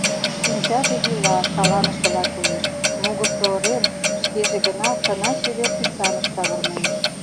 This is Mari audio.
Шинчаже йӱла, шаланышыла коеш, могыржо ырен, шкеже гына кына-чевер тӱсаныш савырнен.